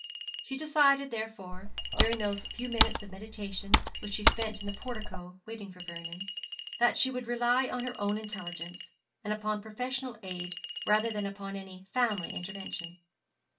She decided, therefore, during those few minutes of meditation which she spent in the portico waiting for Vernon, that she would rely on her own intelligence, and upon professional aid rather than upon any family intervention.